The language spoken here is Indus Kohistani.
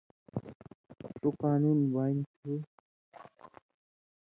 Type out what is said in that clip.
ݜُو قانُون بانیۡ تُھو